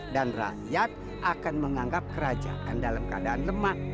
rakyat akan menganggap kerajaan dalam keadaan lemah